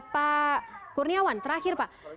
pak kurniawan terakhir pak